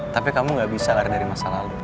tapi kamu gak bisa lari dari masa lalu